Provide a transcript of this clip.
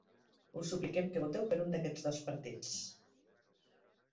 Us supliquem que voteu per un d'aquests dos partits